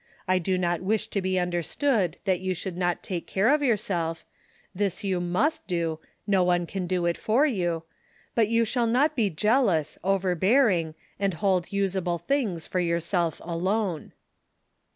I do not wish to be understood that you should not take care of yourself, — this you must do, no one can do it for you, — but you shall not be jealous, overbearing and hold usable things for yourself alone.